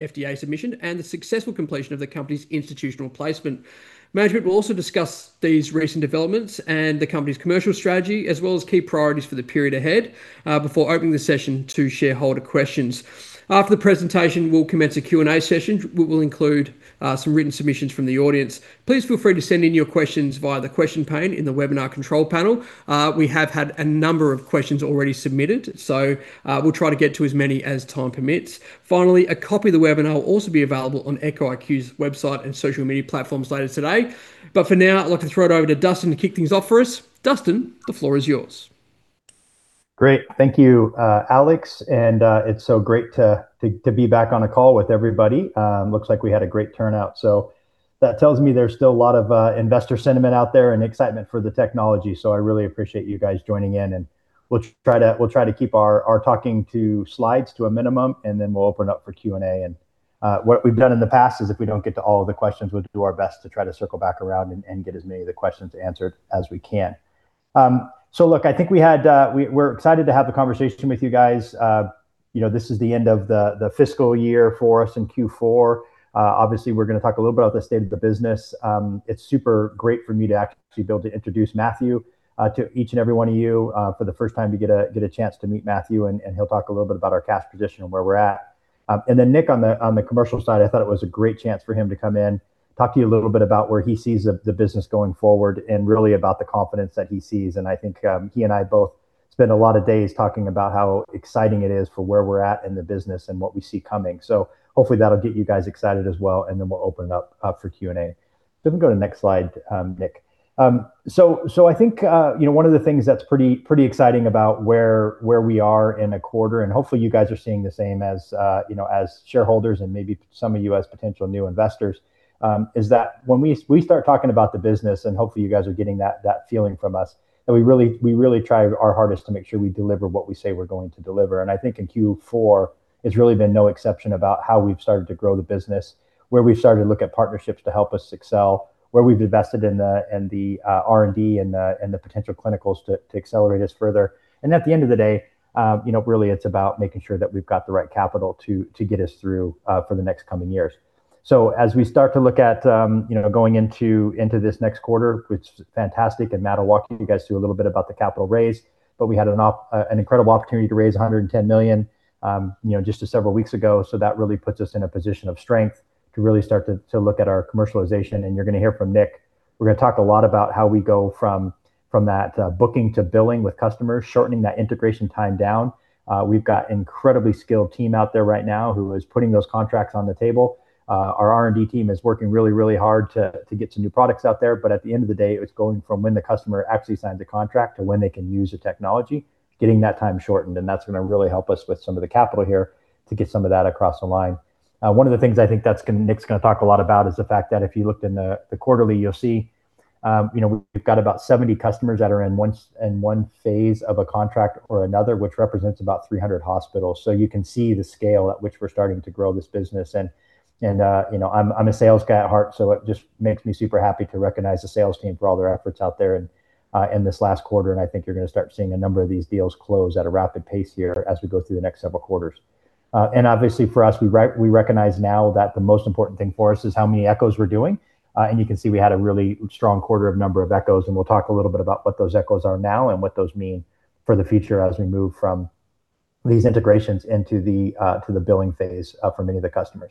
FDA submission and the successful completion of the company's institutional placement. Management will also discuss these recent developments and the company's commercial strategy, as well as key priorities for the period ahead, before opening the session to shareholder questions. After the presentation, we'll commence a Q&A session, which will include some written submissions from the audience. Please feel free to send in your questions via the question pane in the webinar control panel. We have had a number of questions already submitted, so we'll try to get to as many as time permits. Finally, a copy of the webinar will also be available on Echo IQ's website and social media platforms later today. For now, I'd like to throw it over to Dustin to kick things off for us. Dustin, the floor is yours. Great. Thank you, Alex. It's so great to be back on a call with everybody. Looks like we had a great turnout, that tells me there's still a lot of investor sentiment out there and excitement for the technology, I really appreciate you guys joining in. We'll try to keep our talking to slides to a minimum, then we'll open up for Q&A. What we've done in the past is if we don't get to all of the questions, we'll do our best to try to circle back around and get as many of the questions answered as we can. Look, I think we're excited to have the conversation with you guys. This is the end of the fiscal year for us in Q4. Obviously, we're going to talk a little bit about the state of the business. It's super great for me to actually be able to introduce Matthew to each and every one of you for the first time to get a chance to meet Matthew, he'll talk a little bit about our cash position and where we're at. Then Nick on the commercial side, I thought it was a great chance for him to come in, talk to you a little bit about where he sees the business going forward and really about the confidence that he sees. I think he and I both spend a lot of days talking about how exciting it is for where we're at in the business and what we see coming. Hopefully, that'll get you guys excited as well, then we'll open it up for Q&A. If we can go to the next slide, Nick. I think one of the things that's pretty exciting about where we are in a quarter, hopefully you guys are seeing the same as shareholders and maybe some of you as potential new investors, is that when we start talking about the business, hopefully you guys are getting that feeling from us, that we really try our hardest to make sure we deliver what we say we're going to deliver. I think in Q4, it's really been no exception about how we've started to grow the business, where we've started to look at partnerships to help us excel, where we've invested in the R&D and the potential clinicals to accelerate us further. At the end of the day, really it's about making sure that we've got the right capital to get us through for the next coming years. As we start to look at going into this next quarter, which is fantastic. Matt will walk you guys through a little bit about the capital raise, but we had an incredible opportunity to raise 110 million just several weeks ago. That really puts us in a position of strength to really start to look at our commercialization. You're going to hear from Nick. We're going to talk a lot about how we go from that booking to billing with customers, shortening that integration time down. We've got incredibly skilled team out there right now who is putting those contracts on the table. Our R&D team is working really hard to get some new products out there. At the end of the day, it's going from when the customer actually signs a contract to when they can use the technology, getting that time shortened. That's going to really help us with some of the capital here to get some of that across the line. One of the things I think Nick's going to talk a lot about is the fact that if you looked in the quarterly, you'll see we've got about 70 customers that are in one phase of a contract or another, which represents about 300 hospitals. You can see the scale at which we're starting to grow this business. I'm a sales guy at heart. It just makes me super happy to recognize the sales team for all their efforts out there in this last quarter. I think you're going to start seeing a number of these deals close at a rapid pace here as we go through the next several quarters. Obviously for us, we recognize now that the most important thing for us is how many echos we're doing. You can see we had a really strong quarter of number of echos, and we'll talk a little bit about what those echos are now and what those mean for the future as we move from these integrations into the billing phase for many of the customers.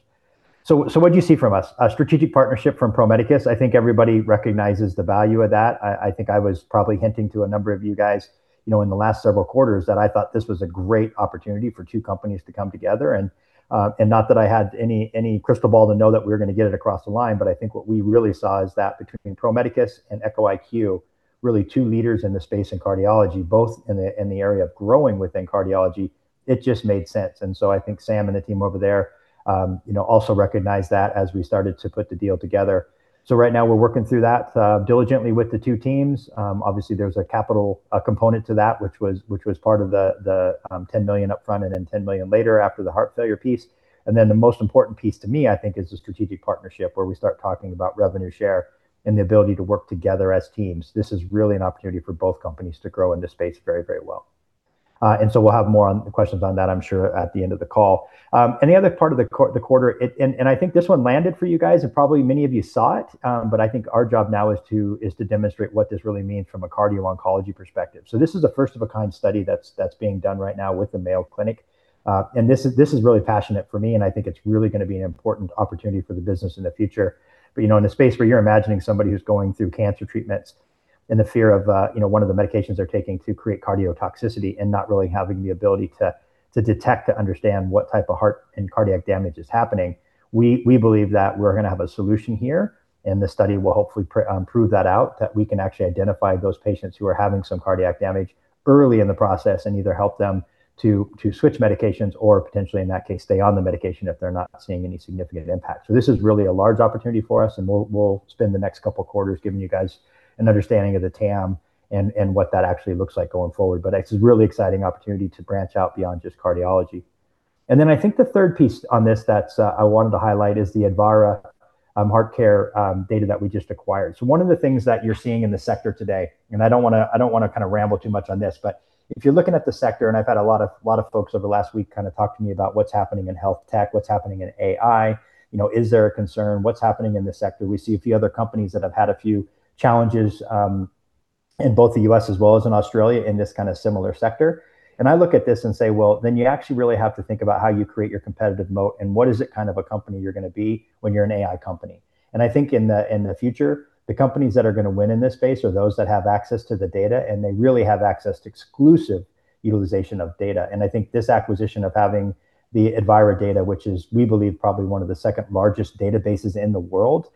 What'd you see from us? A strategic partnership from Pro Medicus. I think everybody recognizes the value of that. I think I was probably hinting to a number of you guys in the last several quarters that I thought this was a great opportunity for two companies to come together. Not that I had any crystal ball to know that we were going to get it across the line. I think what we really saw is that between Pro Medicus and Echo IQ, really two leaders in the space in cardiology, both in the area of growing within cardiology, it just made sense. I think Sam and the team over there also recognized that as we started to put the deal together. Right now we're working through that diligently with the two teams. Obviously, there was a capital component to that, which was part of the 10 million up front and then 10 million later after the heart failure piece. The most important piece to me, I think, is the strategic partnership, where we start talking about revenue share and the ability to work together as teams. This is really an opportunity for both companies to grow in this space very well. We'll have more on questions on that, I'm sure, at the end of the call. The other part of the quarter, I think this one landed for you guys, and probably many of you saw it, but I think our job now is to demonstrate what this really means from a cardio-oncology perspective. This is a first of a kind study that's being done right now with the Mayo Clinic. This is really passionate for me, and I think it's really going to be an important opportunity for the business in the future. In the space where you're imagining somebody who's going through cancer treatments and the fear of one of the medications they're taking to create cardiotoxicity and not really having the ability to detect, to understand what type of heart and cardiac damage is happening, we believe that we're going to have a solution here, and the study will hopefully prove that out, that we can actually identify those patients who are having some cardiac damage early in the process and either help them to switch medications or potentially, in that case, stay on the medication if they're not seeing any significant impact. This is really a large opportunity for us, and we'll spend the next couple of quarters giving you guys an understanding of the TAM and what that actually looks like going forward. It's a really exciting opportunity to branch out beyond just cardiology. I think the third piece on this that I wanted to highlight is the Advara HeartCare data that we just acquired. One of the things that you're seeing in the sector today, and I don't want to ramble too much on this, but if you're looking at the sector, and I've had a lot of folks over the last week kind of talk to me about what's happening in health tech, what's happening in AI. Is there a concern? What's happening in the sector? We see a few other companies that have had a few challenges in both the U.S. as well as in Australia in this kind of similar sector. I look at this and say, well, then you actually really have to think about how you create your competitive moat and what is it kind of a company you're going to be when you're an AI company. I think in the future, the companies that are going to win in this space are those that have access to the data, and they really have access to exclusive utilization of data. I think this acquisition of having the Advara data, which is, we believe, probably one of the second largest databases in the world,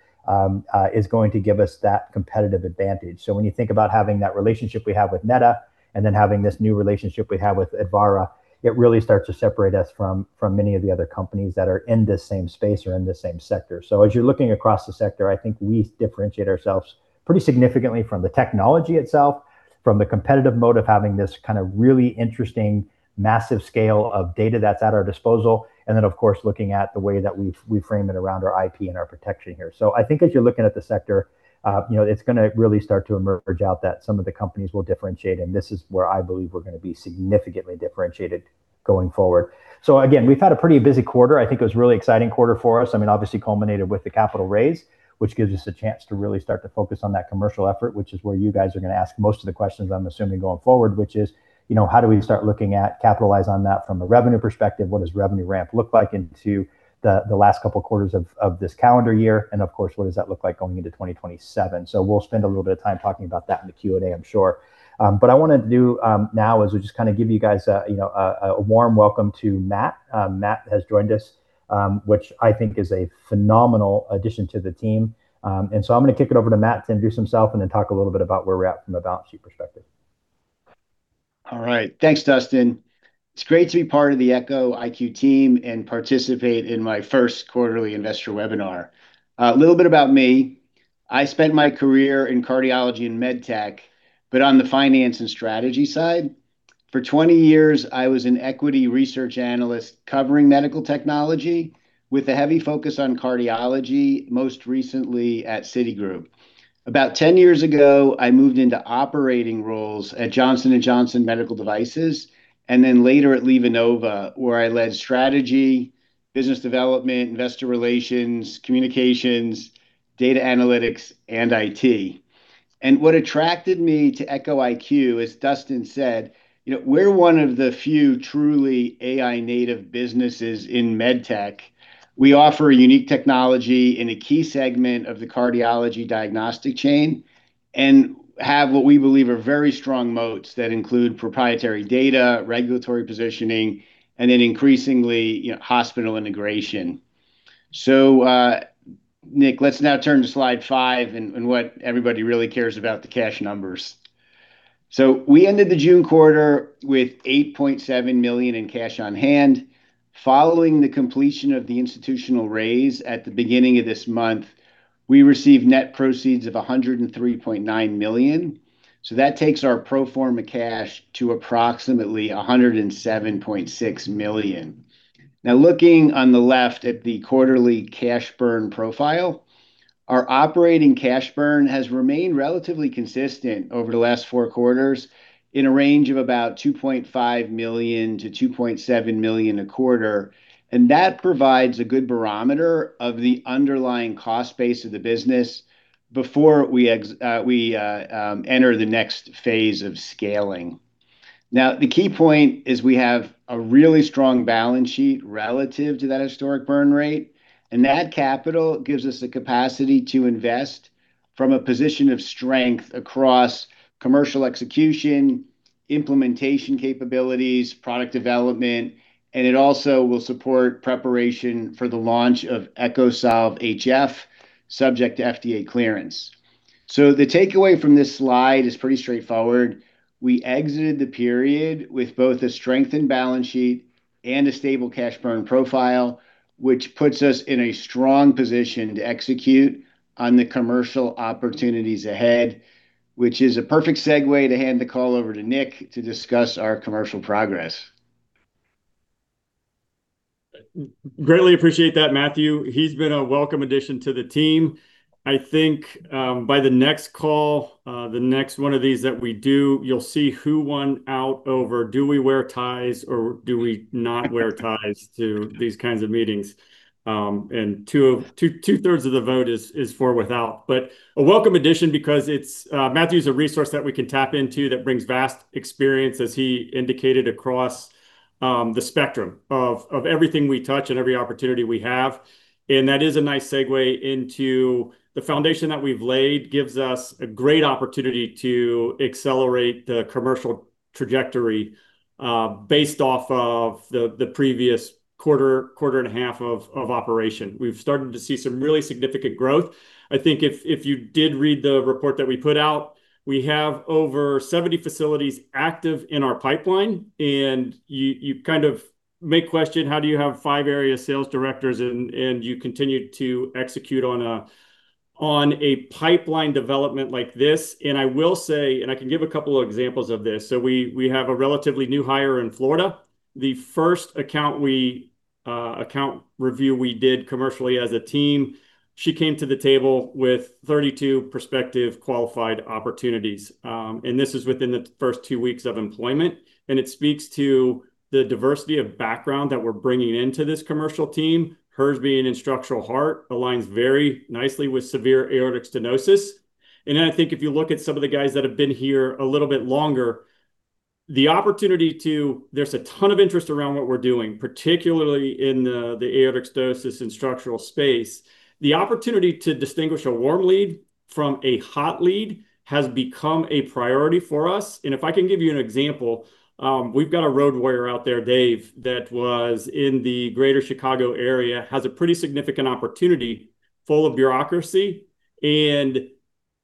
is going to give us that competitive advantage. When you think about having that relationship we have with NEDA and then having this new relationship we have with Advara, it really starts to separate us from many of the other companies that are in the same space or in the same sector. As you're looking across the sector, I think we differentiate ourselves pretty significantly from the technology itself, from the competitive mode of having this kind of really interesting, massive scale of data that's at our disposal, and then, of course, looking at the way that we frame it around our IP and our protection here. I think as you're looking at the sector, it's going to really start to emerge out that some of the companies will differentiate, and this is where I believe we're going to be significantly differentiated going forward. Again, we've had a pretty busy quarter. I think it was a really exciting quarter for us. Obviously culminated with the capital raise, which gives us a chance to really start to focus on that commercial effort, which is where you guys are going to ask most of the questions, I'm assuming, going forward, which is, how do we start looking at capitalize on that from a revenue perspective? What does revenue ramp look like into the last couple quarters of this calendar year? Of course, what does that look like going into 2027? We'll spend a little bit of time talking about that in the Q&A, I'm sure. What I want to do now is we just kind of give you guys a warm welcome to Matt. Matt has joined us, which I think is a phenomenal addition to the team. I'm going to kick it over to Matt to introduce himself and then talk a little bit about where we're at from a balance sheet perspective. All right. Thanks, Dustin. It's great to be part of the Echo IQ team and participate in my first quarterly investor webinar. A little bit about me. I spent my career in cardiology and med tech, but on the finance and strategy side. For 20 years, I was an equity research analyst covering medical technology with a heavy focus on cardiology, most recently at Citigroup. About 10 years ago, I moved into operating roles at Johnson & Johnson Medical Devices, then later at LivaNova, where I led strategy, business development, investor relations, communications, data analytics, and IT. What attracted me to Echo IQ, as Dustin said, we're one of the few truly AI-native businesses in med tech. We offer a unique technology in a key segment of the cardiology diagnostic chain and have what we believe are very strong moats that include proprietary data, regulatory positioning, and increasingly hospital integration. Nick, let's now turn to slide five and what everybody really cares about, the cash numbers. We ended the June quarter with 8.7 million in cash on hand. Following the completion of the institutional raise at the beginning of this month, we received net proceeds of 103.9 million. That takes our pro forma cash to approximately 107.6 million. Looking on the left at the quarterly cash burn profile, our operating cash burn has remained relatively consistent over the last four quarters in a range of about 2.5 million-2.7 million a quarter. That provides a good barometer of the underlying cost base of the business before we enter the next phase of scaling. The key point is we have a really strong balance sheet relative to that historic burn rate, and that capital gives us the capacity to invest from a position of strength across commercial execution, implementation capabilities, product development, and it also will support preparation for the launch of EchoSolv HF, subject to FDA clearance. The takeaway from this slide is pretty straightforward. We exited the period with both a strengthened balance sheet and a stable cash burn profile, which puts us in a strong position to execute on the commercial opportunities ahead, which is a perfect segue to hand the call over to Nick to discuss our commercial progress. Greatly appreciate that, Matthew. He's been a welcome addition to the team. I think by the next call, the next one of these that we do, you'll see who won out over do we wear ties or do we not wear ties to these kinds of meetings. Two-thirds of the vote is for without. A welcome addition because Matthew's a resource that we can tap into that brings vast experience, as he indicated, across the spectrum of everything we touch and every opportunity we have. That is a nice segue into the foundation that we've laid gives us a great opportunity to accelerate the commercial trajectory based off of the previous quarter and a half of operation. We've started to see some really significant growth. I think if you did read the report that we put out, we have over 70 facilities active in our pipeline. You kind of may question, how do you have five area sales directors and you continue to execute on a On a pipeline development like this, I can give a couple of examples of this. We have a relatively new hire in Florida. The first account review we did commercially as a team, she came to the table with 32 prospective qualified opportunities. This is within the first two weeks of employment, and it speaks to the diversity of background that we're bringing into this commercial team. Hers, being in structural heart, aligns very nicely with severe aortic stenosis. I think if you look at some of the guys that have been here a little bit longer, there's a ton of interest around what we're doing, particularly in the aortic stenosis and structural space. The opportunity to distinguish a warm lead from a hot lead has become a priority for us. If I can give you an example, we've got a road warrior out there, Dave, that was in the greater Chicago area, has a pretty significant opportunity, full of bureaucracy and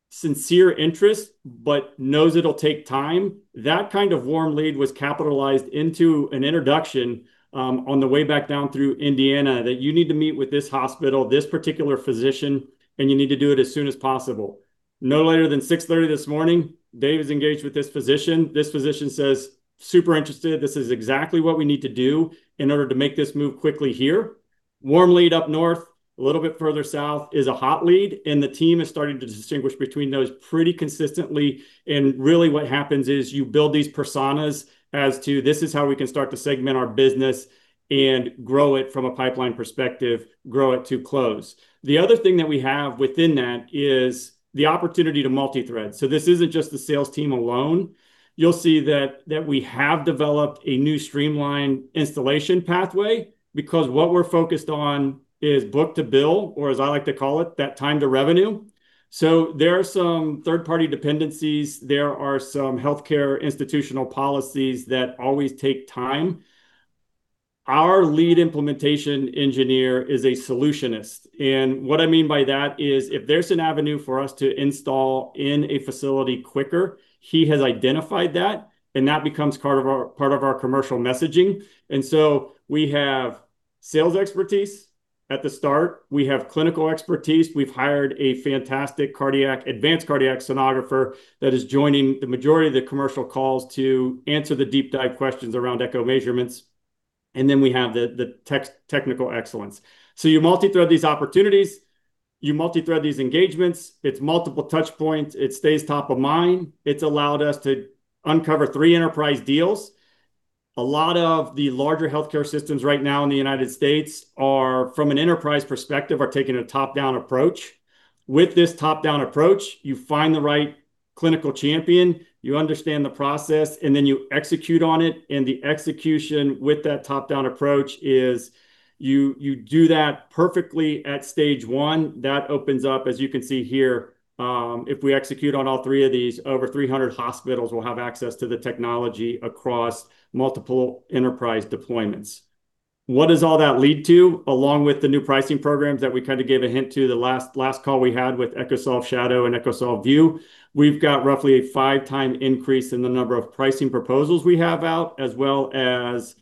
sincere interest, but knows it'll take time. That kind of warm lead was capitalized into an introduction on the way back down through Indiana that you need to meet with this hospital, this particular physician, and you need to do it as soon as possible. No later than 6:30 A.M. this morning, Dave is engaged with this physician. This physician says, "Super interested. This is exactly what we need to do in order to make this move quickly here." Warm lead up north, a little bit further south is a hot lead, the team is starting to distinguish between those pretty consistently. Really what happens is you build these personas as to this is how we can start to segment our business and grow it from a pipeline perspective, grow it to close. The other thing that we have within that is the opportunity to multithread. This isn't just the sales team alone. You'll see that we have developed a new streamlined installation pathway because what we're focused on is book to bill, or as I like to call it, that time to revenue. There are some third-party dependencies. There are some healthcare institutional policies that always take time. Our lead implementation engineer is a solutionist, and what I mean by that is if there's an avenue for us to install in a facility quicker, he has identified that, and that becomes part of our commercial messaging. We have sales expertise at the start. We have clinical expertise. We've hired a fantastic advanced cardiac sonographer that is joining the majority of the commercial calls to answer the deep dive questions around echo measurements. We have the technical excellence. You multithread these opportunities, you multithread these engagements. It's multiple touch points. It stays top of mind. It's allowed us to uncover three enterprise deals. A lot of the larger healthcare systems right now in the U.S., from an enterprise perspective, are taking a top-down approach. With this top-down approach, you find the right clinical champion, you understand the process, you execute on it, and the execution with that top-down approach is you do that perfectly at Stage 1. That opens up, as you can see here, if we execute on all three of these, over 300 hospitals will have access to the technology across multiple enterprise deployments. What does all that lead to? Along with the new pricing programs that we kind of gave a hint to the last call we had with EchoSolv SHADOW and EchoSolv VIEW, we've got roughly a five-time increase in the number of pricing proposals we have out, as well as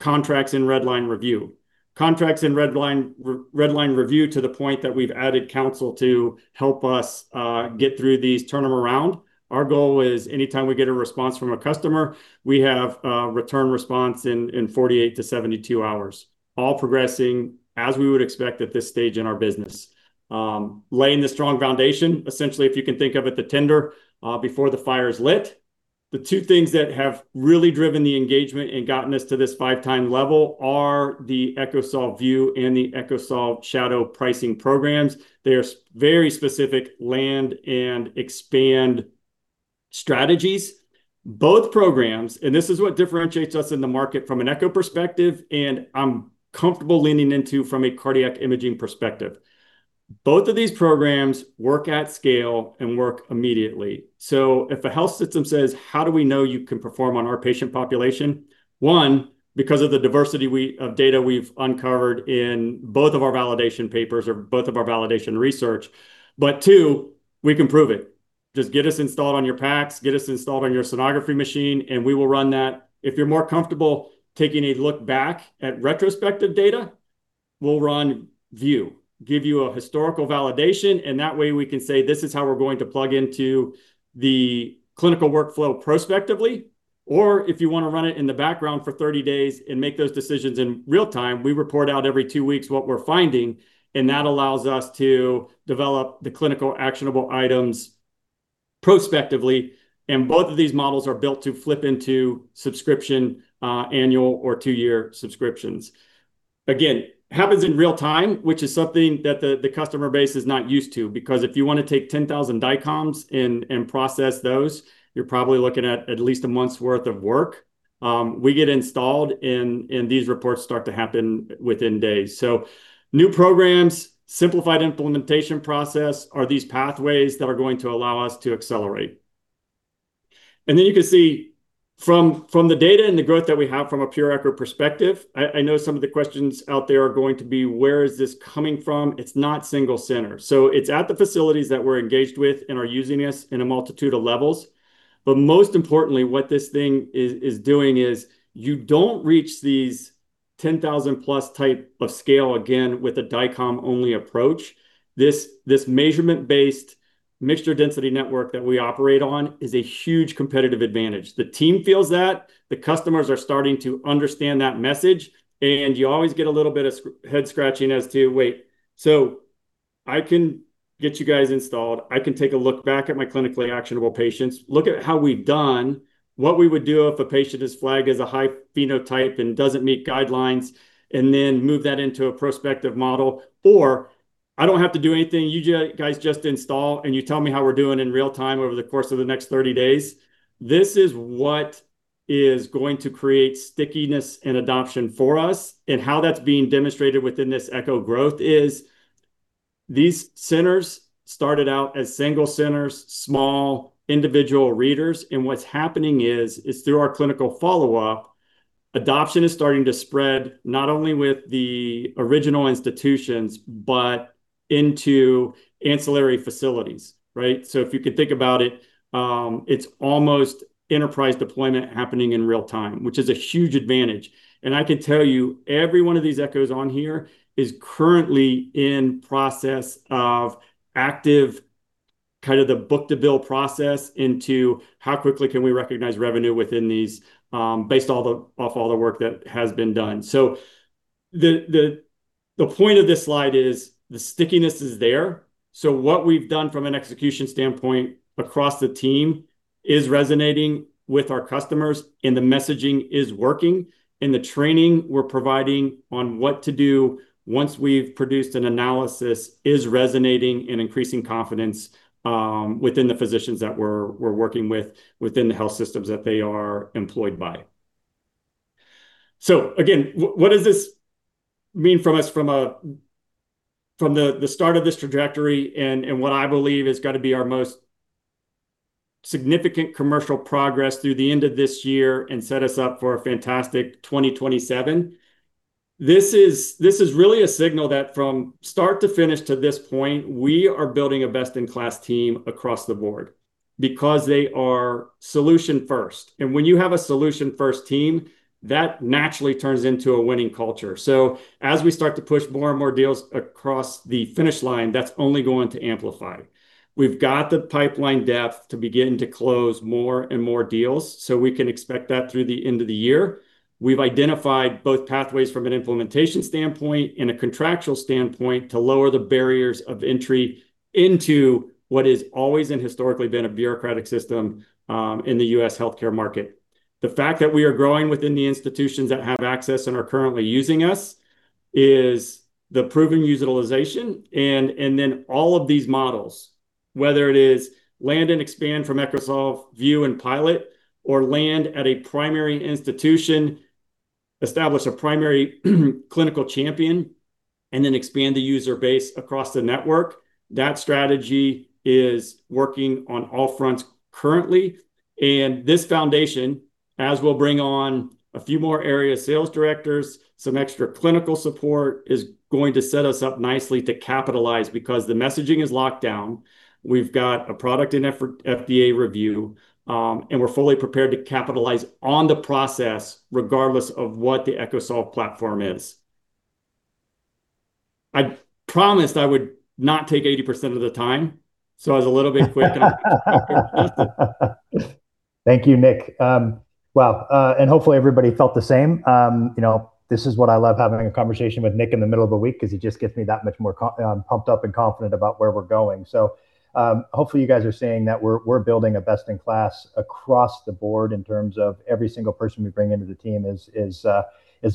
contracts in redline review. Contracts in redline review to the point that we've added counsel to help us get through these, turn them around. Our goal is anytime we get a response from a customer, we have a return response in 48-72 hours, all progressing as we would expect at this stage in our business. Laying the strong foundation, essentially, if you can think of it, the tinder before the fire is lit. The two things that have really driven the engagement and gotten us to this five-time level are the EchoSolv VIEW and the EchoSolv SHADOW pricing programs. They're very specific land and expand strategies. Both programs, and this is what differentiates us in the market from an echo perspective, and I'm comfortable leaning into from a cardiac imaging perspective. Both of these programs work at scale and work immediately. If a health system says, "How do we know you can perform on our patient population?" One, because of the diversity of data we've uncovered in both of our validation papers or both of our validation research, but two, we can prove it. Just get us installed on your PACS, get us installed on your sonography machine, and we will run that. If you're more comfortable taking a look back at retrospective data, we'll run View, give you a historical validation, and that way we can say, "This is how we're going to plug into the clinical workflow prospectively." If you want to run it in the background for 30 days and make those decisions in real time, we report out every two weeks what we're finding, and that allows us to develop the clinical actionable items prospectively. Both of these models are built to flip into subscription annual or two-year subscriptions. Again, happens in real time, which is something that the customer base is not used to because if you want to take 10,000 DICOMs and process those, you're probably looking at least a month's worth of work. We get installed, and these reports start to happen within days. New programs, simplified implementation process are these pathways that are going to allow us to accelerate. You can see from the data and the growth that we have from a pure echo perspective, I know some of the questions out there are going to be, where is this coming from? It's not single center. It's at the facilities that we're engaged with and are using us in a multitude of levels. Most importantly, what this thing is doing is you don't reach these 10,000+ type of scale, again, with a DICOM only approach. This measurement-based mixture density network that we operate on is a huge competitive advantage. The team feels that. The customers are starting to understand that message. You always get a little bit of head-scratching as to, "Wait, so I can get you guys installed, I can take a look back at my clinically actionable patients, look at how we've done, what we would do if a patient is flagged as a high phenotype and doesn't meet guidelines, and then move that into a prospective model. I don't have to do anything, you guys just install, and you tell me how we're doing in real time over the course of the next 30 days." This is what is going to create stickiness and adoption for us. How that's being demonstrated within this Echo growth is these centers started out as single centers, small individual readers. What's happening is, through our clinical follow-up, adoption is starting to spread not only with the original institutions, but into ancillary facilities. If you could think about it's almost enterprise deployment happening in real time, which is a huge advantage. I can tell you, every one of these Echos on here is currently in process of active book-to-bill process into how quickly can we recognize revenue within these, based off all the work that has been done. The point of this slide is the stickiness is there. What we've done from an execution standpoint across the team is resonating with our customers. The messaging is working. The training we're providing on what to do once we've produced an analysis is resonating and increasing confidence within the physicians that we're working with within the health systems that they are employed by. Again, what does this mean from us from the start of this trajectory and what I believe is going to be our most significant commercial progress through the end of this year and set us up for a fantastic 2027? This is really a signal that from start to finish to this point, we are building a best-in-class team across the board because they are solution first. When you have a solution first team, that naturally turns into a winning culture. As we start to push more and more deals across the finish line, that's only going to amplify. We've got the pipeline depth to begin to close more and more deals, we can expect that through the end of the year. We've identified both pathways from an implementation standpoint and a contractual standpoint to lower the barriers of entry into what is always and historically been a bureaucratic system in the U.S. healthcare market. The fact that we are growing within the institutions that have access and are currently using us is the proven utilization. All of these models, whether it is land and expand from EchoSolv, view and pilot, or land at a primary institution, establish a primary clinical champion, and then expand the user base across the network, that strategy is working on all fronts currently. This foundation, as we'll bring on a few more area sales directors, some extra clinical support, is going to set us up nicely to capitalize because the messaging is locked down. We've got a product in FDA review, and we're fully prepared to capitalize on the process regardless of what the EchoSolv platform is. I promised I would not take 80% of the time, so I was a little bit quick. Thank you, Nick. Well, hopefully everybody felt the same. This is what I love having a conversation with Nick in the middle of the week because he just gets me that much more pumped up and confident about where we're going. Hopefully you guys are seeing that we're building a best in class across the board in terms of every single person we bring into the team is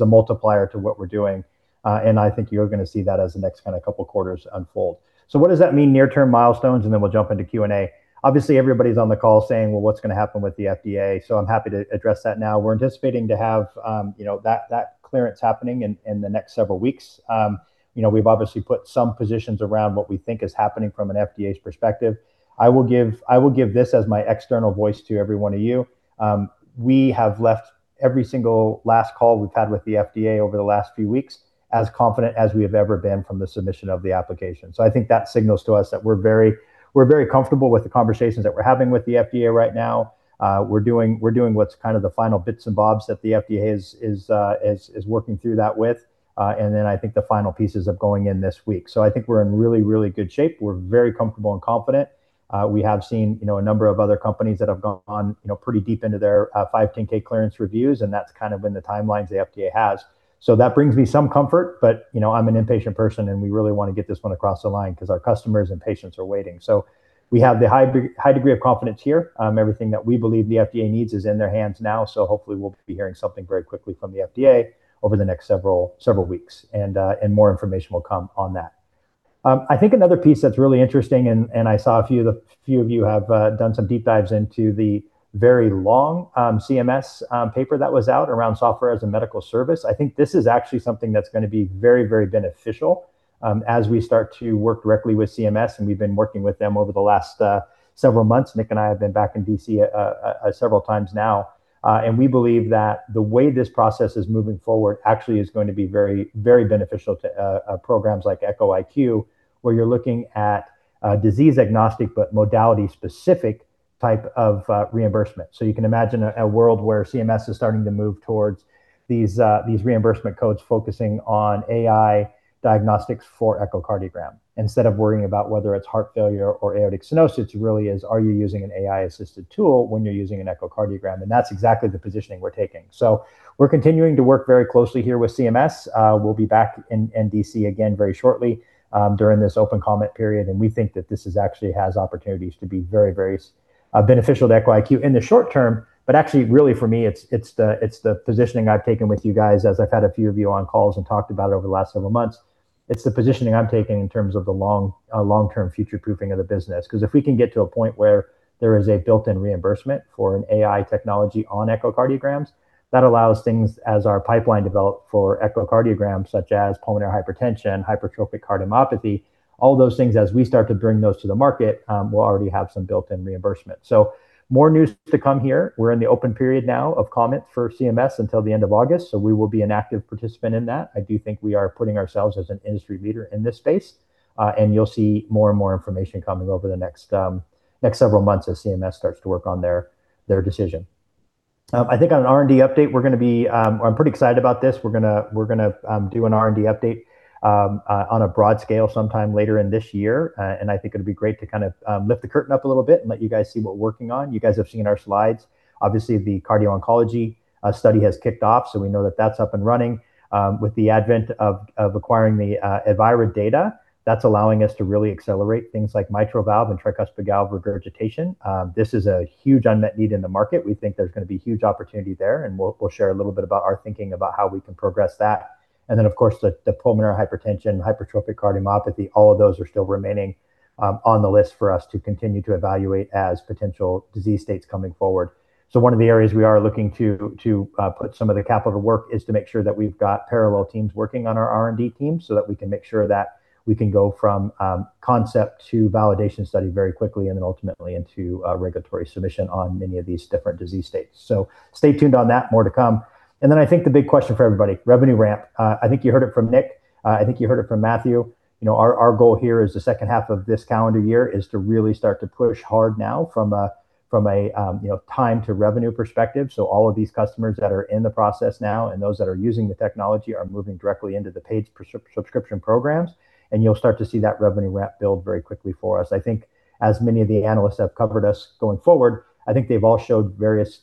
a multiplier to what we're doing. I think you're going to see that as the next kind of couple quarters unfold. What does that mean near term milestones? Then we'll jump into Q&A. Obviously, everybody's on the call saying, "Well, what's going to happen with the FDA?" I'm happy to address that now. We're anticipating to have that clearance happening in the next several weeks. We've obviously put some positions around what we think is happening from an FDA's perspective. I will give this as my external voice to every one of you. We have left every single last call we've had with the FDA over the last few weeks as confident as we have ever been from the submission of the application. I think that signals to us that we're very comfortable with the conversations that we're having with the FDA right now. We're doing what's kind of the final bits and bobs that the FDA is working through that with, I think the final pieces of going in this week. I think we're in really, really good shape. We're very comfortable and confident. We have seen a number of other companies that have gone pretty deep into their 510 clearance reviews, and that's kind of been the timelines the FDA has. That brings me some comfort, but I'm an impatient person, and we really want to get this one across the line because our customers and patients are waiting. We have the high degree of confidence here. Everything that we believe the FDA needs is in their hands now, so hopefully we'll be hearing something very quickly from the FDA over the next several weeks, and more information will come on that. I think another piece that's really interesting, and I saw a few of you have done some deep dives into the very long CMS paper that was out around Software as a Medical Service. I think this is actually something that's going to be very, very beneficial, as we start to work directly with CMS, and we've been working with them over the last several months. Nick and I have been back in D.C. several times now. We believe that the way this process is moving forward actually is going to be very beneficial to programs like Echo IQ, where you're looking at disease agnostic, but modality specific type of reimbursement. You can imagine a world where CMS is starting to move towards these reimbursement codes focusing on AI diagnostics for echocardiogram. Instead of worrying about whether it's heart failure or aortic stenosis, it really is are you using an AI-assisted tool when you're using an echocardiogram? That's exactly the positioning we're taking. We're continuing to work very closely here with CMS. We'll be back in D.C. again very shortly, during this open comment period. We think that this actually has opportunities to be very, very beneficial to Echo IQ in the short term, but actually really for me, it's the positioning I've taken with you guys as I've had a few of you on calls and talked about over the last several months. It's the positioning I'm taking in terms of the long-term future-proofing of the business. If we can get to a point where there is a built-in reimbursement for an AI technology on echocardiograms, that allows things as our pipeline develop for echocardiograms such as pulmonary hypertension, hypertrophic cardiomyopathy, all those things as we start to bring those to the market, we'll already have some built-in reimbursement. More news to come here. We're in the open period now of comment for CMS until the end of August, we will be an active participant in that. I do think we are putting ourselves as an industry leader in this space. You'll see more and more information coming over the next several months as CMS starts to work on their decision. I think on an R&D update, I'm pretty excited about this. We're going to do an R&D update on a broad scale sometime later in this year. I think it'd be great to kind of lift the curtain up a little bit and let you guys see what we're working on. You guys have seen our slides. Obviously, the cardio-oncology study has kicked off, we know that that's up and running. With the advent of acquiring the Advara data, that's allowing us to really accelerate things like mitral valve and tricuspid valve regurgitation. This is a huge unmet need in the market. We think there's going to be huge opportunity there, and we'll share a little bit about our thinking about how we can progress that. Then of course the pulmonary hypertension, hypertrophic cardiomyopathy, all of those are still remaining on the list for us to continue to evaluate as potential disease states coming forward. One of the areas we are looking to put some of the capital to work is to make sure that we've got parallel teams working on our R&D team so that we can make sure that we can go from concept to validation study very quickly, and then ultimately into regulatory submission on many of these different disease states. Stay tuned on that. More to come. I think the big question for everybody, revenue ramp. I think you heard it from Nick. I think you heard it from Matthew. Our goal here is the second half of this calendar year is to really start to push hard now from a time to revenue perspective. All of these customers that are in the process now and those that are using the technology are moving directly into the paid subscription programs, and you'll start to see that revenue ramp build very quickly for us. As many of the analysts have covered us going forward, they've all showed various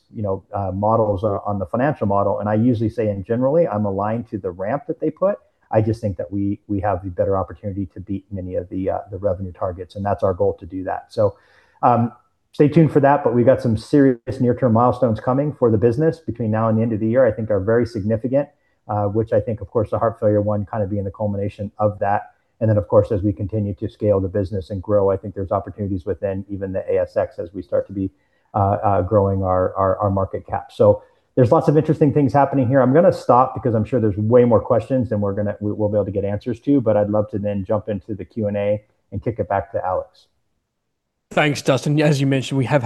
models on the financial model, and I usually say generally, I'm aligned to the ramp that they put. I just think that we have the better opportunity to beat many of the revenue targets, and that's our goal to do that. Stay tuned for that, but we've got some serious near-term milestones coming for the business between now and the end of the year I think are very significant. Of course the heart failure one kind of being the culmination of that. Of course, as we continue to scale the business and grow, I think there's opportunities within even the ASX as we start to be growing our market cap. There's lots of interesting things happening here. I'm going to stop because I'm sure there's way more questions than we'll be able to get answers to, I'd love to then jump into the Q&A and kick it back to Alex. Thanks, Dustin. As you mentioned, we have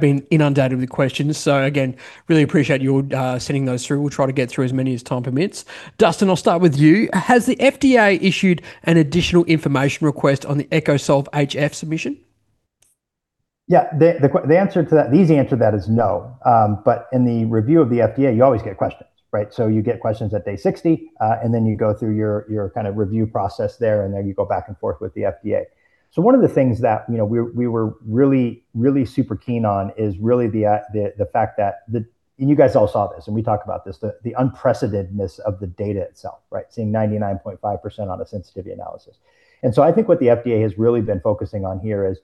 been inundated with questions. Again, really appreciate you all sending those through. We'll try to get through as many as time permits. Dustin, I'll start with you. Has the FDA issued an additional information request on the EchoSolv HF submission? Yeah. The easy answer to that is no. In the review of the FDA, you always get questions, right? You get questions at day 60, you go through your kind of review process there, you go back and forth with the FDA. One of the things that we were really super keen on is really the fact that, you guys all saw this and we talked about this, the unprecedentedness of the data itself, right? Seeing 99.5% on a sensitivity analysis. I think what the FDA has really been focusing on here is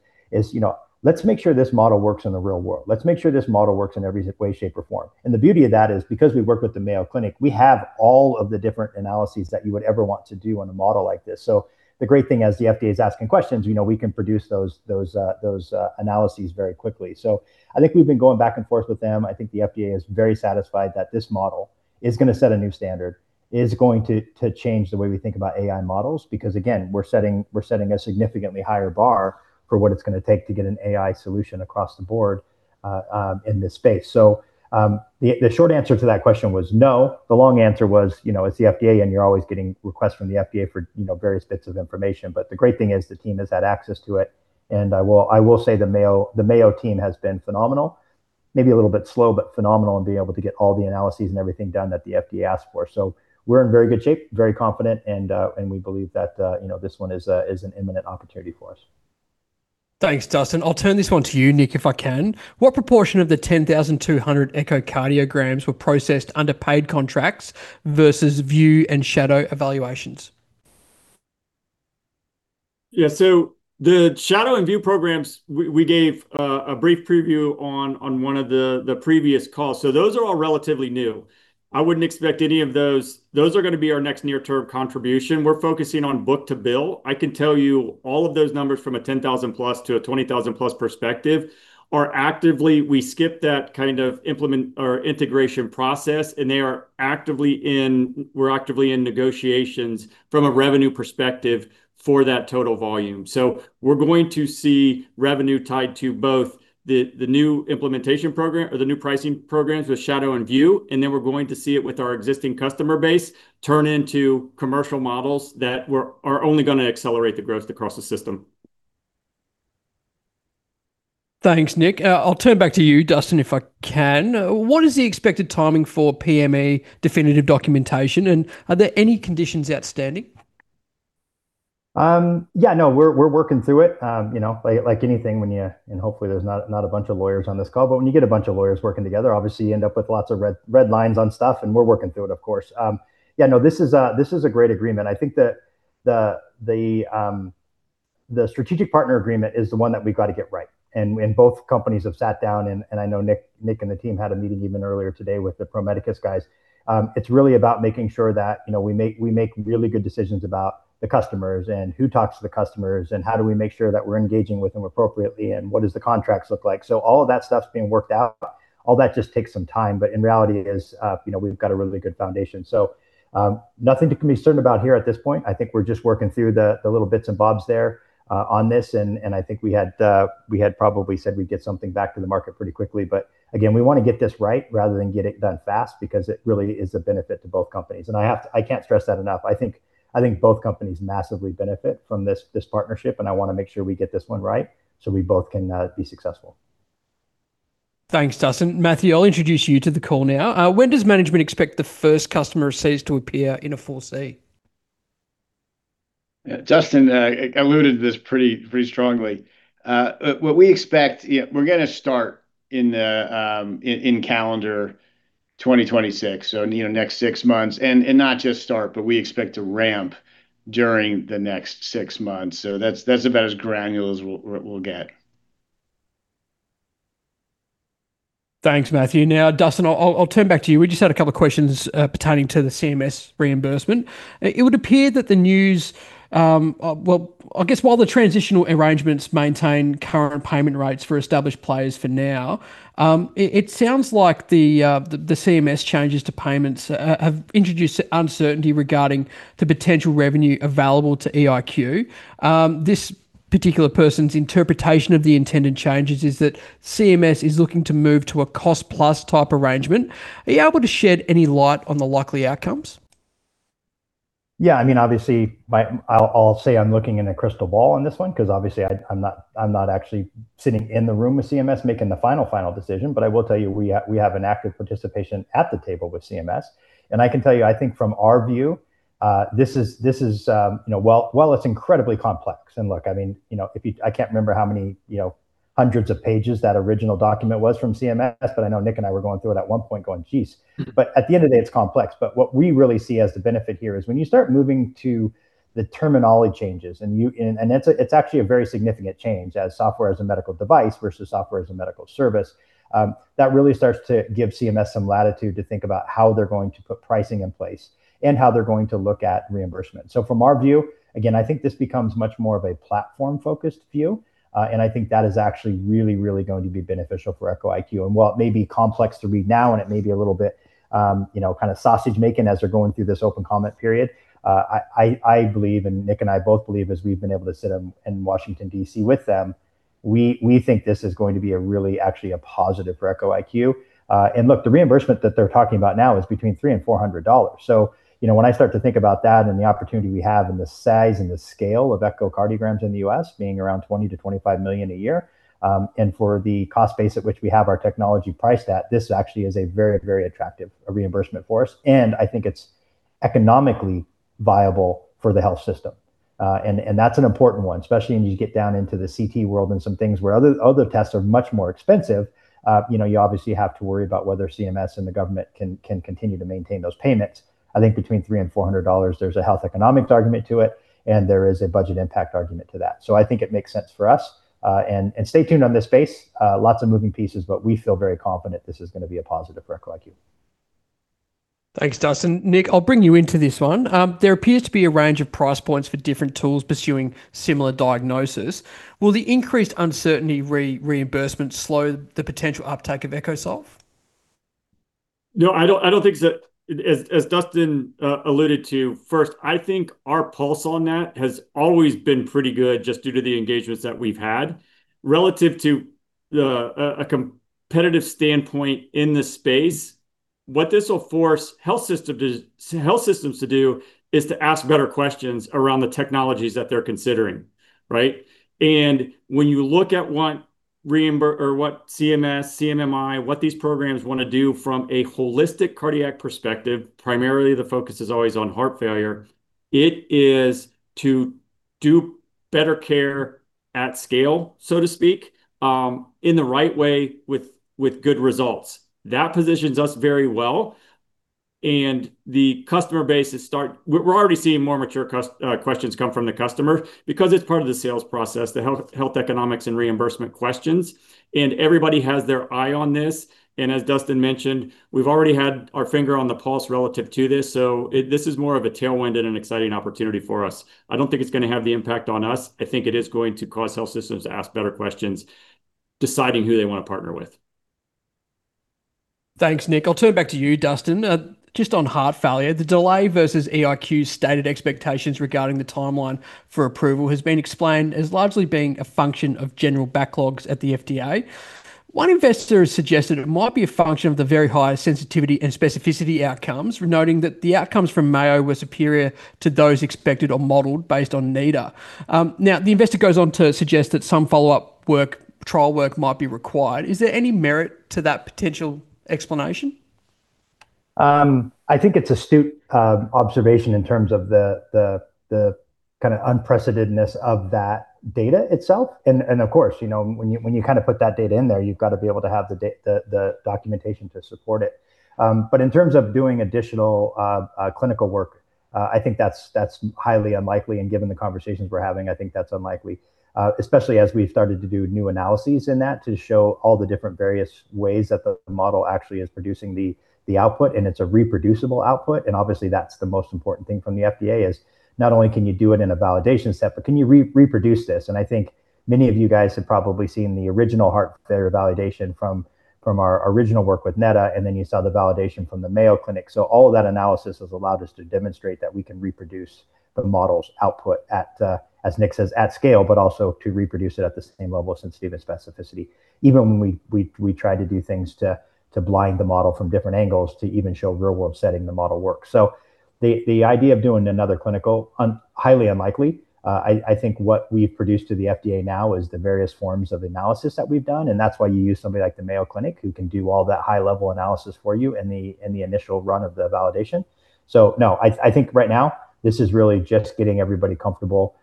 let's make sure this model works in the real world. Let's make sure this model works in every way, shape, or form. The beauty of that is because we work with the Mayo Clinic, we have all of the different analyses that you would ever want to do on a model like this. The great thing as the FDA is asking questions, we can produce those analyses very quickly. I think we've been going back and forth with them. I think the FDA is very satisfied that this model is going to set a new standard, is going to change the way we think about AI models because, again, we're setting a significantly higher bar for what it's going to take to get an AI solution across the board in this space. The short answer to that question was no. The long answer was it's the FDA and you're always getting requests from the FDA for various bits of information. The great thing is the team has had access to it, and I will say the Mayo team has been phenomenal. Maybe a little bit slow, but phenomenal in being able to get all the analyses and everything done that the FDA asked for. We're in very good shape, very confident, and we believe that this one is an imminent opportunity for us. Thanks, Dustin. I'll turn this one to you, Nick, if I can. What proportion of the 10,200 echocardiograms were processed under paid contracts versus View and Shadow evaluations? The Shadow and View programs, we gave a brief preview on one of the previous calls. Those are all relatively new. I wouldn't expect any of those. Those are going to be our next near-term contribution. We're focusing on book to bill. I can tell you all of those numbers from a 10,000+ to a 20,000+ perspective are actively, we skip that kind of integration process, and we're actively in negotiations from a revenue perspective for that total volume. We're going to see revenue tied to both the new pricing programs with Shadow and View, and then we're going to see it with our existing customer base turn into commercial models that are only going to accelerate the growth across the system. Thanks, Nick. I'll turn back to you, Dustin, if I can. What is the expected timing for PME definitive documentation, and are there any conditions outstanding? Yeah, no, we're working through it. Like anything when you hopefully there's not a bunch of lawyers on this call, when you get a bunch of lawyers working together, obviously you end up with lots of red lines on stuff, we're working through it of course. Yeah, no, this is a great agreement. I think that the strategic partner agreement is the one that we've got to get right. Both companies have sat down, I know Nick and the team had a meeting even earlier today with the Pro Medicus guys. It's really about making sure that we make really good decisions about the customers who talks to the customers, how do we make sure that we're engaging with them appropriately, what does the contracts look like. All of that stuff's being worked out. All that just takes some time. In reality is we've got a really good foundation. Nothing can be certain about here at this point. I think we're just working through the little bits and bobs there on this, I think we had probably said we'd get something back to the market pretty quickly, again, we want to get this right rather than get it done fast because it really is a benefit to both companies. I can't stress that enough. I think both companies massively benefit from this partnership, I want to make sure we get this one right so we both can be successful. Thanks, Dustin. Matthew, I'll introduce you to the call now. When does management expect the first customer receipts to appear in a 4C? Yeah, Dustin alluded to this pretty strongly. What we expect, we're going to start in calendar 2026, so next six months, and not just start, but we expect to ramp during the next six months. That's about as granular as we'll get. Thanks, Matthew. Dustin, I'll turn back to you. We just had a couple questions pertaining to the CMS reimbursement. It would appear that the news, well, I guess while the transitional arrangements maintain current payment rates for established players for now, it sounds like the CMS changes to payments have introduced uncertainty regarding the potential revenue available to EIQ. This particular person's interpretation of the intended changes is that CMS is looking to move to a cost plus type arrangement. Are you able to shed any light on the likely outcomes? Yeah, obviously, I'll say I'm looking in a crystal ball on this one because obviously I'm not actually sitting in the room with CMS making the final decision, but I will tell you, we have an active participation at the table with CMS, and I can tell you, I think from our view, while it's incredibly complex, and look, I can't remember how many hundreds of pages that original document was from CMS, but I know Nick and I were going through it at one point going, "Geez." At the end of the day, it's complex. What we really see as the benefit here is when you start moving to the terminology changes, and it's actually a very significant change as Software as a Medical Device versus Software as a Medical Service. That really starts to give CMS some latitude to think about how they're going to put pricing in place and how they're going to look at reimbursement. From our view, again, I think this becomes much more of a platform-focused view. I think that is actually really, really going to be beneficial for Echo IQ. While it may be complex to read now, and it may be a little bit kind of sausage-making as they're going through this open comment period, I believe, and Nick and I both believe as we've been able to sit in Washington, D.C. with them, we think this is going to be a really actually a positive for Echo IQ. Look, the reimbursement that they're talking about now is between $3 and $400. When I start to think about that and the opportunity we have and the size and the scale of echocardiograms in the U.S. being around 20 million-25 million a year, and for the cost base at which we have our technology priced at, this actually is a very, very attractive reimbursement for us. I think it's economically viable for the health system. That's an important one, especially when you get down into the CT world and some things where other tests are much more expensive. You obviously have to worry about whether CMS and the government can continue to maintain those payments. I think between $300 and $400, there's a health economics argument to it, and there is a budget impact argument to that. I think it makes sense for us, and stay tuned on this space. Lots of moving pieces, we feel very confident this is going to be a positive for Echo IQ. Thanks, Dustin. Nick, I'll bring you into this one. There appears to be a range of price points for different tools pursuing similar diagnosis. Will the increased uncertainty reimbursement slow the potential uptake of EchoSolv? No, I don't think so. As Dustin alluded to, first, I think our pulse on that has always been pretty good just due to the engagements that we've had. Relative to a competitive standpoint in this space, what this'll force health systems to do is to ask better questions around the technologies that they're considering, right? When you look at what CMS, CMMI, what these programs want to do from a holistic cardiac perspective, primarily the focus is always on heart failure, it is to do better care at scale, so to speak, in the right way with good results. We're already seeing more mature questions come from the customer because it's part of the sales process, the health economics and reimbursement questions, and everybody has their eye on this. As Dustin mentioned, we've already had our finger on the pulse relative to this. This is more of a tailwind and an exciting opportunity for us. I don't think it's going to have the impact on us. I think it is going to cause health systems to ask better questions, deciding who they want to partner with. Thanks, Nick. I'll turn back to you, Dustin. Just on heart failure, the delay versus EIQ's stated expectations regarding the timeline for approval has been explained as largely being a function of general backlogs at the FDA. One investor has suggested it might be a function of the very high sensitivity and specificity outcomes, noting that the outcomes from Mayo were superior to those expected or modeled based on NEDA. The investor goes on to suggest that some follow-up trial work might be required. Is there any merit to that potential explanation? I think it's astute observation in terms of the unprecedentedness of that data itself. Of course, when you put that data in there, you've got to be able to have the documentation to support it. In terms of doing additional clinical work, I think that's highly unlikely, and given the conversations we're having, I think that's unlikely. Especially as we've started to do new analyses in that to show all the different various ways that the model actually is producing the output, and it's a reproducible output, and obviously that's the most important thing from the FDA is not only can you do it in a validation set, but can you reproduce this? I think many of you guys have probably seen the original heart failure validation from our original work with NEDA, and then you saw the validation from the Mayo Clinic. All of that analysis has allowed us to demonstrate that we can reproduce the model's output, as Nick says, at scale, but also to reproduce it at the same level of sensitivity and specificity. Even when we try to do things to blind the model from different angles to even show real-world setting the model works. The idea of doing another clinical, highly unlikely. I think what we've produced to the FDA now is the various forms of analysis that we've done, and that's why you use somebody like the Mayo Clinic who can do all that high-level analysis for you in the initial run of the validation. No, I think right now this is really just getting everybody comfortable.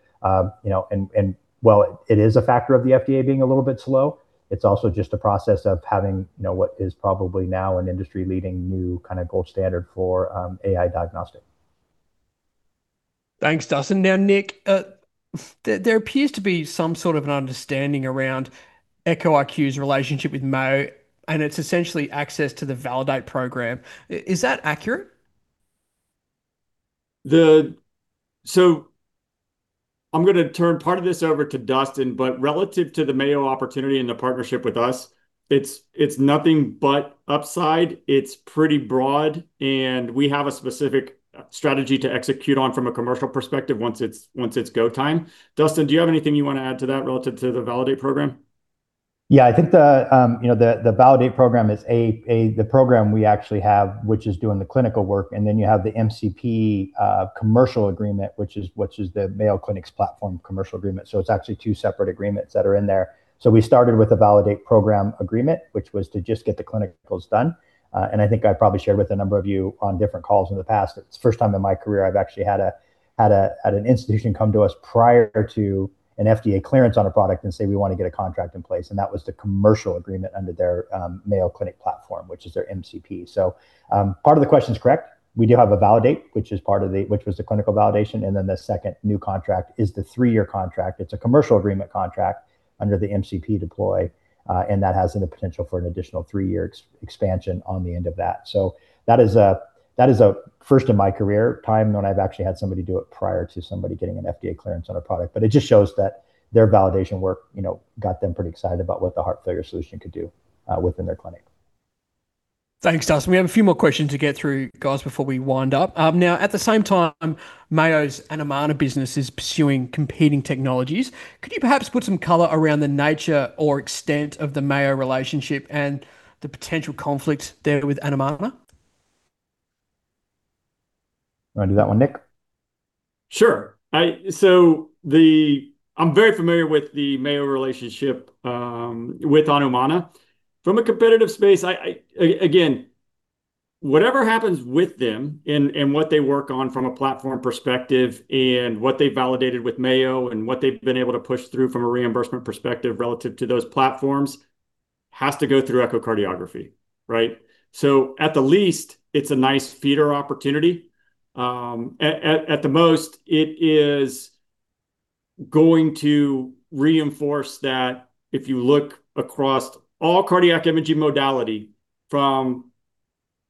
While it is a factor of the FDA being a little bit slow, it's also just a process of having what is probably now an industry-leading new kind of gold standard for AI diagnostic. Thanks, Dustin. Nick, there appears to be some sort of an understanding around Echo IQ's relationship with Mayo, and it's essentially access to the VALIDATE program. Is that accurate? I'm going to turn part of this over to Dustin, relative to the Mayo opportunity and the partnership with us, it's nothing but upside. It's pretty broad, and we have a specific strategy to execute on from a commercial perspective once it's go time. Dustin, do you have anything you want to add to that relative to the VALIDATE program? Yeah, I think the VALIDATE program is the program we actually have, which is doing the clinical work, and then you have the MCP commercial agreement, which is the Mayo Clinic Platform commercial agreement. It's actually two separate agreements that are in there. We started with a VALIDATE program agreement, which was to just get the clinicals done. I think I probably shared with a number of you on different calls in the past, it's the first time in my career I've actually had an institution come to us prior to an FDA clearance on a product and say, "We want to get a contract in place." That was the commercial agreement under their Mayo Clinic Platform, which is their MCP. Part of the question is correct. We do have a VALIDATE, which was the clinical validation, and then the second new contract is the three-year contract. It's a commercial agreement contract under the MCP deploy, and that has the potential for an additional three-year expansion on the end of that. That is a first in my career time when I've actually had somebody do it prior to somebody getting an FDA clearance on a product. It just shows that their validation work got them pretty excited about what the heart failure solution could do within their clinic. Thanks, Dustin. We have a few more questions to get through, guys, before we wind up. At the same time, Mayo's Anumana business is pursuing competing technologies. Could you perhaps put some color around the nature or extent of the Mayo relationship and the potential conflict there with Anumana? Want to do that one, Nick? Sure. I'm very familiar with the Mayo relationship with Anumana. From a competitive space, again, whatever happens with them and what they work on from a platform perspective and what they validated with Mayo and what they've been able to push through from a reimbursement perspective relative to those platforms has to go through echocardiography. Right? At the least, it's a nice feeder opportunity. At the most, it is going to reinforce that if you look across all cardiac imaging modality from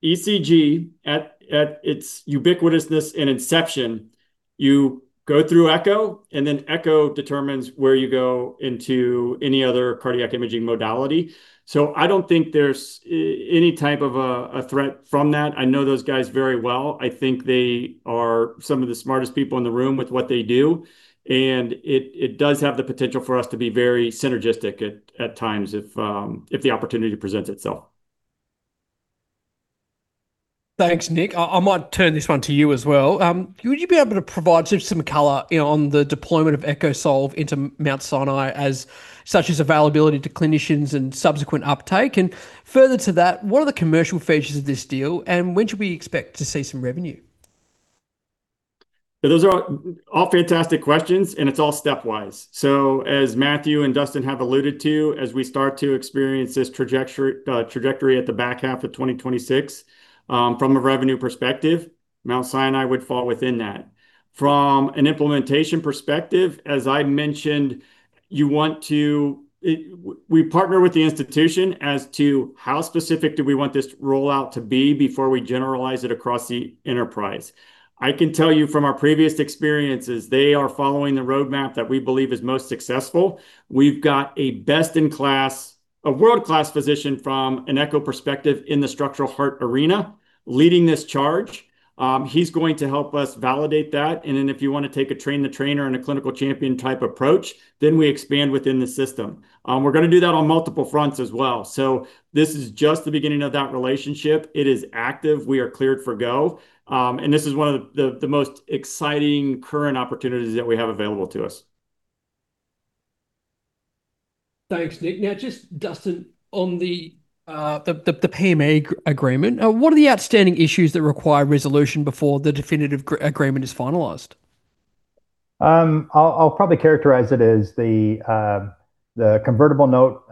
ECG at its ubiquitousness in inception, you go through echo, and then echo determines where you go into any other cardiac imaging modality. I don't think there's any type of a threat from that. I know those guys very well. I think they are some of the smartest people in the room with what they do, and it does have the potential for us to be very synergistic at times if the opportunity presents itself. Thanks, Nick. I might turn this one to you as well. Would you be able to provide just some color on the deployment of EchoSolv into Mount Sinai, such as availability to clinicians and subsequent uptake? Further to that, what are the commercial features of this deal, and when should we expect to see some revenue? Those are all fantastic questions, and it's all stepwise. As Matthew and Dustin have alluded to, as we start to experience this trajectory at the back half of 2026, from a revenue perspective, Mount Sinai would fall within that. From an implementation perspective, as I mentioned, we partner with the institution as to how specific do we want this rollout to be before we generalize it across the enterprise. I can tell you from our previous experiences, they are following the roadmap that we believe is most successful. We've got a world-class physician from an echo perspective in the structural heart arena leading this charge. He's going to help us validate that. If you want to take a train the trainer and a clinical champion type approach, we expand within the system. We're going to do that on multiple fronts as well. This is just the beginning of that relationship. It is active. We are cleared for go, and this is one of the most exciting current opportunities that we have available to us. Thanks, Nick. Just Dustin, on the PME agreement, what are the outstanding issues that require resolution before the definitive agreement is finalized? I'll probably characterize it as the convertible note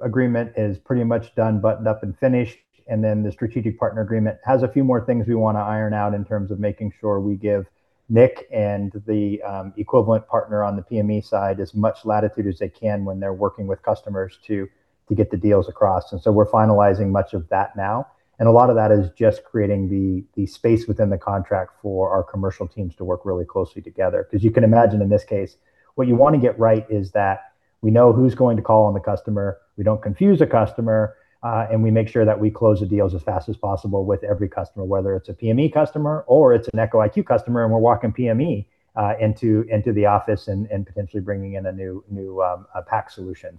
agreement is pretty much done, buttoned up, and finished. The strategic partner agreement has a few more things we want to iron out in terms of making sure we give Nick and the equivalent partner on the PME side as much latitude as they can when they're working with customers to get the deals across. We're finalizing much of that now. A lot of that is just creating the space within the contract for our commercial teams to work really closely together. You can imagine in this case, what you want to get right is that we know who's going to call on the customer, we don't confuse a customer, and we make sure that we close the deals as fast as possible with every customer, whether it's a PME customer or it's an Echo IQ customer, and we're walking PME into the office and potentially bringing in a new PACS solution.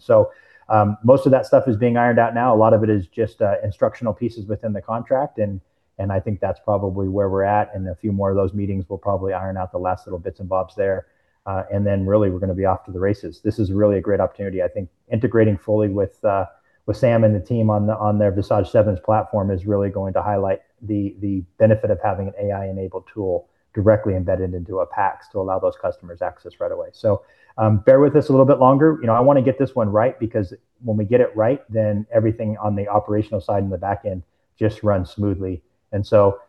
Most of that stuff is being ironed out now. A lot of it is just instructional pieces within the contract and I think that's probably where we're at. A few more of those meetings will probably iron out the last little bits and bobs there. Really we're going to be off to the races. This is really a great opportunity. I think integrating fully with Sam and the team on their Visage 7's platform is really going to highlight the benefit of having an AI-enabled tool directly embedded into a PACS to allow those customers access right away. Bear with us a little bit longer. I want to get this one right because when we get it right, then everything on the operational side and the back end just runs smoothly.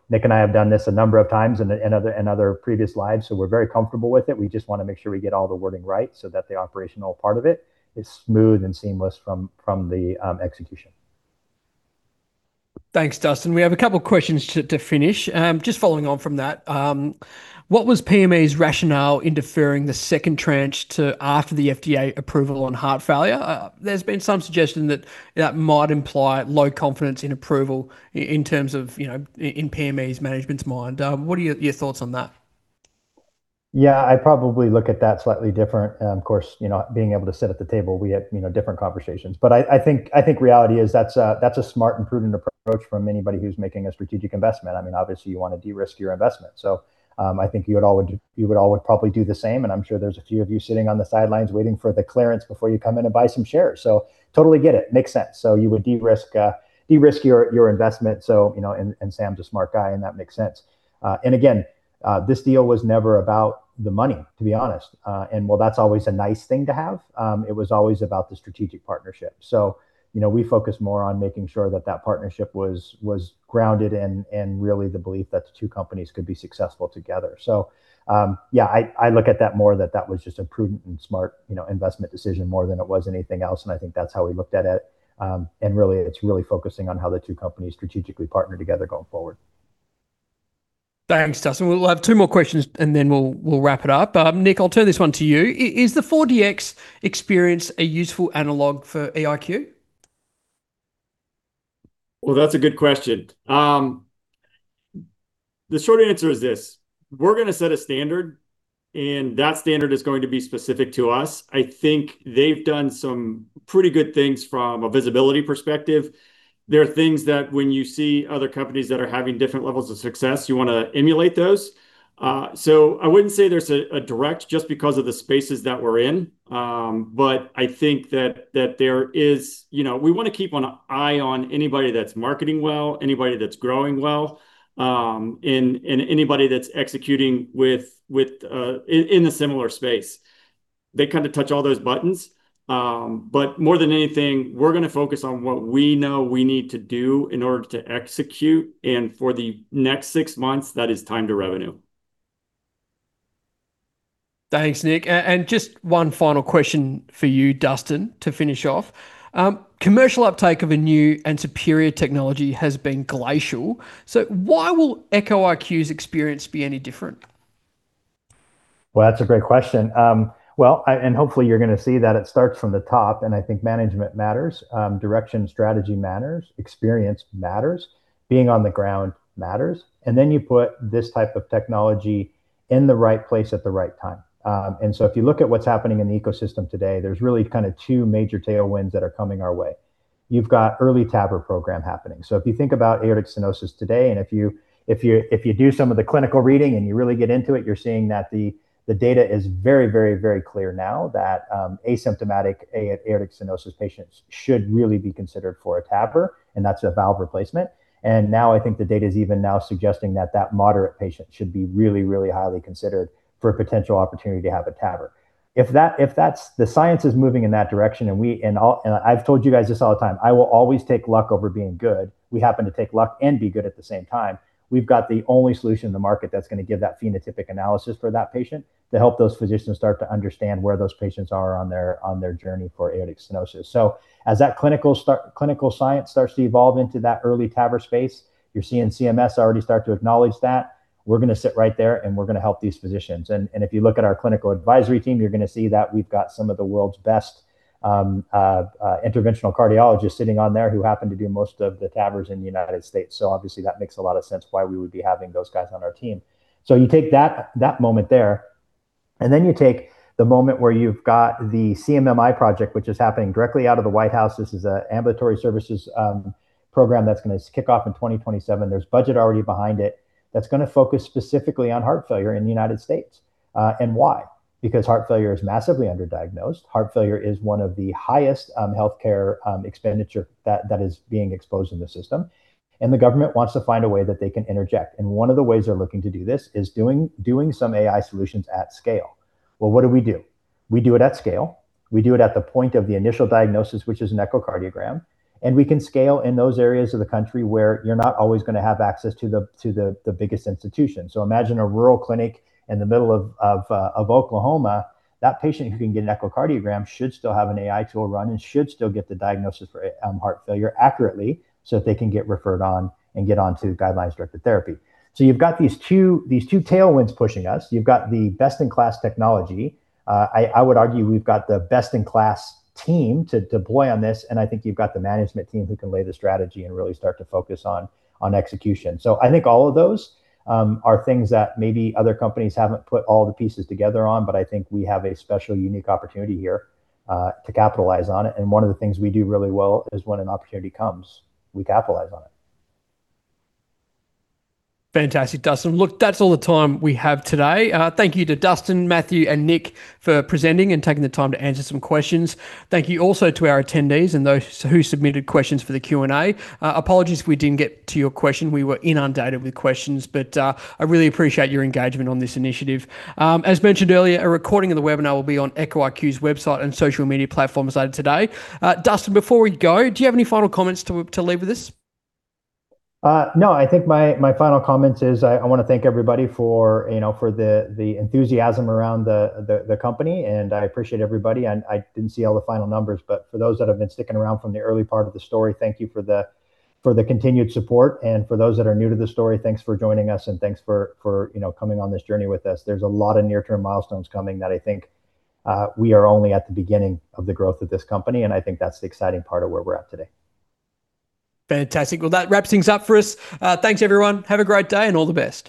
Nick and I have done this a number of times in other previous lives, so we're very comfortable with it. We just want to make sure we get all the wording right so that the operational part of it is smooth and seamless from the execution. Thanks, Dustin. We have a couple questions to finish. Just following on from that, what was PME's rationale in deferring the second tranche to after the FDA approval on heart failure? There has been some suggestion that that might imply low confidence in approval in terms of in PME's management's mind. What are your thoughts on that? Yeah, I probably look at that slightly different. Of course, being able to sit at the table, we have different conversations. I think reality is that is a smart and prudent approach from anybody who is making a strategic investment. Obviously you want to de-risk your investment. I think you would all probably do the same, and I am sure there is a few of you sitting on the sidelines waiting for the clearance before you come in and buy some shares. Totally get it. Makes sense. You would de-risk your investment. Sam is a smart guy, and that makes sense. Again, this deal was never about the money, to be honest. While that is always a nice thing to have, it was always about the strategic partnership. We focused more on making sure that that partnership was grounded and really the belief that the two companies could be successful together. Yeah, I look at that more that that was just a prudent and smart investment decision more than it was anything else, and I think that is how we looked at it. Really it is really focusing on how the two companies strategically partner together going forward. Thanks, Dustin. We will have two more questions and then we will wrap it up. Nick, I will turn this one to you. Is the 4DX experience a useful analog for EIQ? Well, that's a good question. The short answer is this: We're going to set a standard, and that standard is going to be specific to us. I think they've done some pretty good things from a visibility perspective. There are things that when you see other companies that are having different levels of success, you want to emulate those. I wouldn't say there's a direct just because of the spaces that we're in. I think that we want to keep an eye on anybody that's marketing well, anybody that's growing well, and anybody that's executing in a similar space. They touch all those buttons. More than anything, we're going to focus on what we know we need to do in order to execute. For the next six months, that is time to revenue. Thanks, Nick. Just one final question for you, Dustin, to finish off. Commercial uptake of a new and superior technology has been glacial, so why will Echo IQ's experience be any different? Well, that's a great question. Hopefully you're going to see that it starts from the top, and I think management matters. Direction and strategy matters. Experience matters. Being on the ground matters. Then you put this type of technology in the right place at the right time. If you look at what's happening in the ecosystem today, there's really two major tailwinds that are coming our way. You've got early TAVR program happening. If you think about aortic stenosis today, and if you do some of the clinical reading and you really get into it, you're seeing that the data is very clear now that asymptomatic aortic stenosis patients should really be considered for a TAVR, and that's a valve replacement. Now I think the data's even now suggesting that that moderate patient should be really highly considered for a potential opportunity to have a TAVR. The science is moving in that direction, and I've told you guys this all the time, I will always take luck over being good. We happen to take luck and be good at the same time. We've got the only solution in the market that's going to give that phenotypic analysis for that patient to help those physicians start to understand where those patients are on their journey for aortic stenosis. As that clinical science starts to evolve into that early TAVR space, you're seeing CMS already start to acknowledge that. We're going to sit right there and we're going to help these physicians. If you look at our clinical advisory team, you're going to see that we've got some of the world's best interventional cardiologists sitting on there who happen to do most of the TAVRs in the U.S. Obviously that makes a lot of sense why we would be having those guys on our team. You take that moment there, you take the moment where you've got the CMMI project, which is happening directly out of the White House. This is an ambulatory services program that's going to kick off in 2027. There's budget already behind it that's going to focus specifically on heart failure in the U.S. Why? Because heart failure is massively underdiagnosed. Heart failure is one of the highest healthcare expenditure that is being exposed in the system, and the government wants to find a way that they can interject. One of the ways they're looking to do this is doing some AI solutions at scale. What do we do? We do it at scale. We do it at the point of the initial diagnosis, which is an echocardiogram, and we can scale in those areas of the country where you're not always going to have access to the biggest institution. Imagine a rural clinic in the middle of Oklahoma. That patient who can get an echocardiogram should still have an AI tool run and should still get the diagnosis for heart failure accurately so that they can get referred on and get onto guidelines-directed therapy. You've got these two tailwinds pushing us. You've got the best-in-class technology. I would argue we've got the best-in-class team to deploy on this, I think you've got the management team who can lay the strategy and really start to focus on execution. I think all of those are things that maybe other companies haven't put all the pieces together on, I think we have a special, unique opportunity here to capitalize on it. One of the things we do really well is when an opportunity comes, we capitalize on it. Fantastic, Dustin. That's all the time we have today. Thank you to Dustin, Matthew, and Nick for presenting and taking the time to answer some questions. Thank you also to our attendees and those who submitted questions for the Q&A. Apologies if we didn't get to your question. We were inundated with questions. I really appreciate your engagement on this initiative. As mentioned earlier, a recording of the webinar will be on Echo IQ's website and social media platforms later today. Dustin, before we go, do you have any final comments to leave with us? I think my final comment is I want to thank everybody for the enthusiasm around the company. I appreciate everybody. I didn't see all the final numbers, but for those that have been sticking around from the early part of the story, thank you for the continued support. For those that are new to the story, thanks for joining us and thanks for coming on this journey with us. There's a lot of near-term milestones coming that I think we are only at the beginning of the growth of this company, and I think that's the exciting part of where we're at today. Fantastic. Well, that wraps things up for us. Thanks, everyone. Have a great day, and all the best